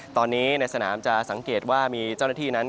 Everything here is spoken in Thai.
ตอนนี้ในสนามจะสังเกตว่ามีเจ้าหน้าที่นั้น